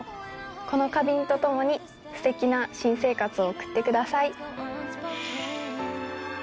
この花瓶と共にすてきな新生活を送ってください。